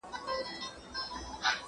بس یو نوبت وو درته مي تېر کړ !.